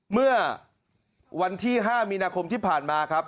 เมื่อวันที่๕มีนาคมที่ผ่านมาครับ